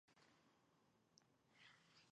کله چې افغانستان کې ولسواکي وي خیرات ورکول کیږي.